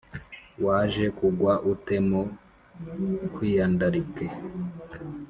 waje kugwa ute mu bwiyandarike,